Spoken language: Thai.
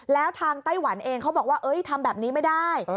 แล้วทางไต้หวันเองเขาบอกว่าทำแบบนี้ไม่ได้